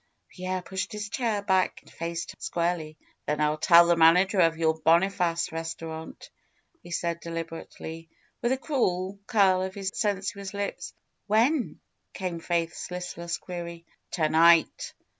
Pierre pushed his chair back and faced her squarely. '^Then I'll tell the manager of the Boniface res taurant," he said deliberately, with a cruel curl of his sensuous lips. '^When?" came Faith's listless query. To night